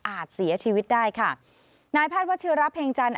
อาจเสียชีวิตได้ค่ะนายพาสวัสดีชีวรับเพียงจันทร์